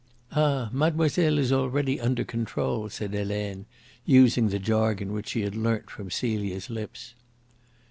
"Ah, mademoiselle is already under control," said Helene, using the jargon which she had learnt from Celia's lips.